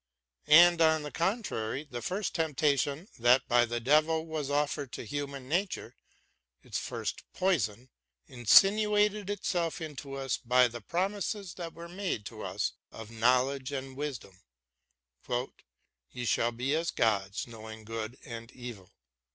And, on the contrary, the first temptation that by the devil was offered to human nature, its first poison, insinuated itself into us by the promises that were made to us of knowledge and wisdom :" Ye shall be as gods knowing good and evil."